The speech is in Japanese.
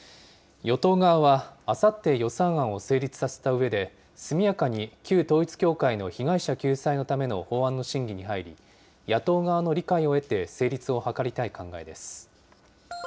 与党側はあさって予算案を成立させたうえで、速やかに旧統一教会の被害者救済のための法案の審議に入り、野党側の理解を得て成立を図りたい考えです。